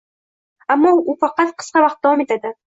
Ammo bu faqat qisqa vaqt davom etadi